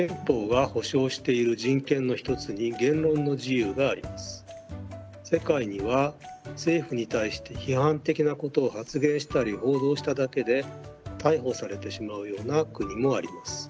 実はこれは例えば世界には政府に対して批判的なことを発言したり報道しただけで逮捕されてしまうような国もあります。